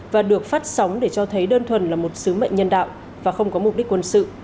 và được phát sóng để cho thấy đơn thuần là một sứ mệnh nhân đạo và không có mục đích quân sự